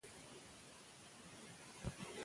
د واکسین لپاره ځانګړي روغتونونه فعال دي.